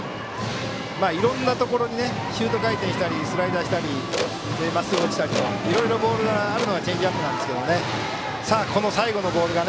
いろんなところにシュート回転したりスライダーしたりまっすぐ落ちたりといろいろボールがあるのがチェンジアップですが。